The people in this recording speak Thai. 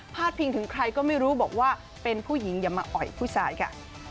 ดพิงถึงใครก็ไม่รู้บอกว่าเป็นผู้หญิงอย่ามาอ่อยผู้ชายค่ะ